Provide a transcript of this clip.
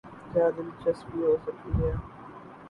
کیا دلچسپی ہوسکتی ہے۔